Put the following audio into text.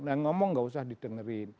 nah ngomong gak usah didengerin